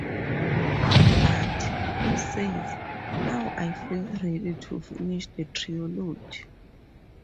"But", he says, "now I feel ready to finish the trilogy".